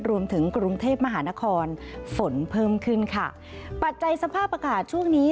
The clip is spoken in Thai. รวมถึงกรุงเทพมหานครฝนเพิ่มขึ้นค่ะปัจจัยสภาพอากาศช่วงนี้